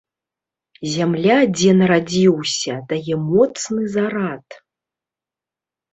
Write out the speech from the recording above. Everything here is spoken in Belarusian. Зямля, дзе нарадзіўся, дае моцны зарад.